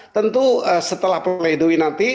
tentu setelah pleidoi nanti